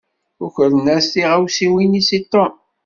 Ukren-as tiɣawsiwin-is i Tom.